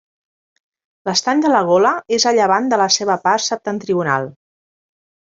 L'Estany de la Gola és a llevant de la seva part septentrional.